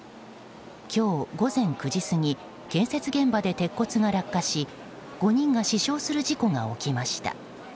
今日午前９時過ぎ建設現場で鉄骨が落下し５人が死傷する事故が起きました。